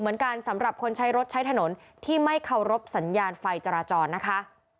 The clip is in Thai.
สำหรับคนใช้รถใช้ถนนที่ไม่เคารพสัญญาณไฟจราจรนะคะ